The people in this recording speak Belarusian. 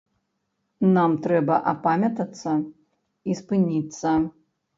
Нам трэба апамятацца і спыніцца.